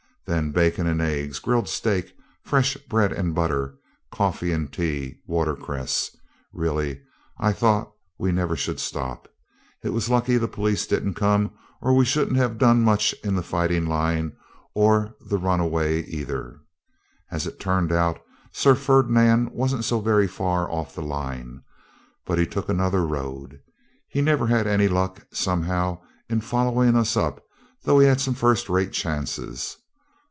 Then bacon and eggs, grilled steak, fresh bread and butter, coffee and tea, watercresses. Really, I thought we never should stop. It was lucky the police didn't come, or we shouldn't have done much in the fighting line, or the runaway either. As it turned out, Sir Ferdinand wasn't so very far off the line, but he took another road. He never had any luck somehow in following us up, though he had some first rate chances.